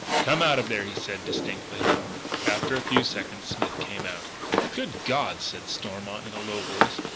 "Come out of there," he said distinctly. After a few seconds Smith came out. "Good God!" said Stormont in a low voice.